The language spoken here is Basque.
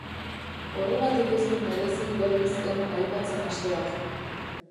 Horregatik ez du merezi berriz hemen aipatzen hasteak.